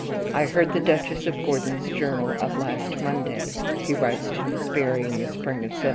"I heard the Duchess of Gordon's journal of last Monday," he writes to Miss Berry in the spring of 1791.